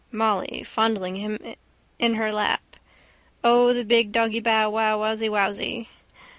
Molly fondling him in her lap. O, the big doggybowwowsywowsy!